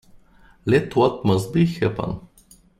Let what must be, happen.